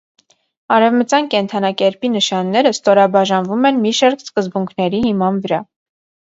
Արևմտյան կենդանակերպի նշանները ստորաբաժանվում են մի շարք սկզբունքների հիման վրա։